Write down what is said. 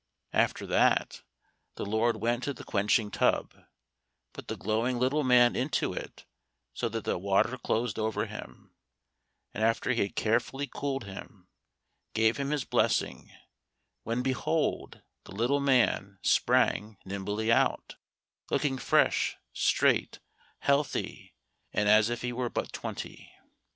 After that the Lord went to the quenching tub, put the glowing little man into it so that the water closed over him, and after he had carefully cooled him, gave him his blessing, when behold the little man sprang nimbly out, looking fresh, straight, healthy, and as if he were but twenty.